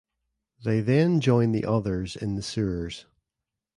They then join the others in the sewers.